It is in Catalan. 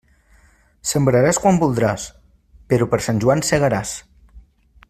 Sembraràs quan voldràs, però per Sant Joan segaràs.